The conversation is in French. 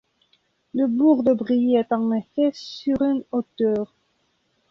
Le bourg de Brie est en effet sur une hauteur.